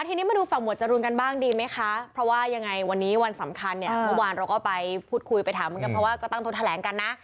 ทีนี้มาดูฝั่งหวดจรูนกันบ้างดีไหมคะเพราะว่ายังไงวันนี้วันสำคัญเนี่ยเมื่อวานเราก็ไปพูดคุยไปถามเหมือนกันเพราะว่าก็ตั้งโต๊ะแถลงกันนะ